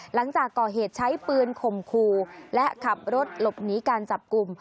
หลังจากก่อเหตุใช้ปืนข่มขู่และขับรถหลบหนีการจับกลุ่ม